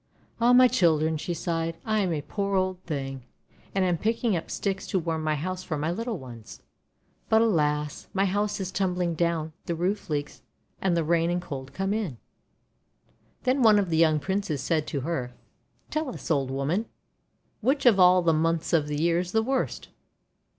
' :<Ah, my Children!" she sighed, "I am a poor old thing, and am picking up sticks to warm my house for my little ones. But, alas! my house is tumbling down, the roof leaks, and the rain and cold come in." Then one of the young Princes said to her, "Tell us, Old Woman, which of all the Months of the year is the worst."